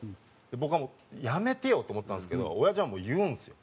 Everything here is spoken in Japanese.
僕はもう「やめてよ」と思ったんですけどおやじはもう言うんですよ。